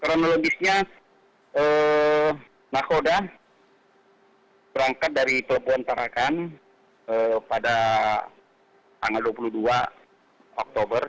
kronologisnya nakoda berangkat dari pelabuhan tarakan pada tanggal dua puluh dua oktober